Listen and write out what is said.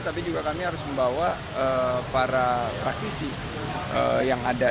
tapi juga kami harus membawa para praktisi yang ada